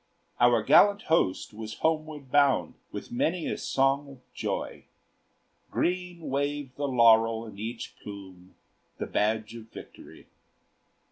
Our gallant host was homeward bound With many a song of joy; Green waved the laurel in each plume, The badge of victory.